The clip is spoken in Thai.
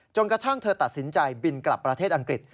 กระทั่งเธอตัดสินใจบินกลับประเทศอังกฤษ